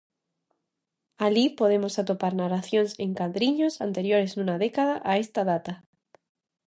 Alí podemos atopar narracións en cadriños anteriores nunha década a esta data.